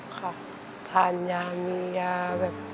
ค่ะทานยามียาแบบ